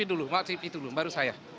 dulu waktu itu dulu baru saya